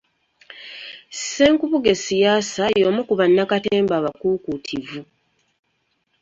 Ssenkubuge Siasa, y'omu ku bannakatemba abakuukuutivu.